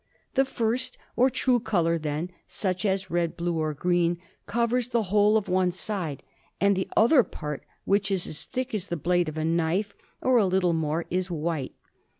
The first or true colour, then, such as red, blue, or green, covers the whole of one side; and the other part, which is as thick as the blade of a knife, or a little more, is white.